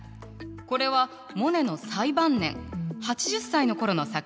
これはモネの最晩年８０歳の頃の作品。